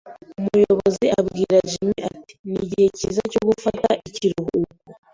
Umuyobozi abwira Jim ati: "Ni igihe cyiza cyo gufata ikiruhuko."